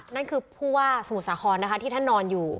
นั่นคือผู้ว่าสมุทรสาครนะคะที่ท่านนอนอยู่